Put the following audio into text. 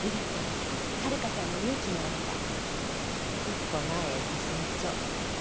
一歩前へ進めそう。